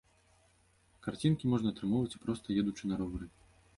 Карцінкі можна атрымоўваць і проста едучы на ровары.